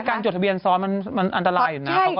จดทะเบียนซ้อนมันอันตรายอยู่นะ